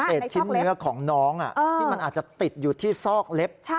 ชิ้นเนื้อของน้องที่มันอาจจะติดอยู่ที่ซอกเล็บ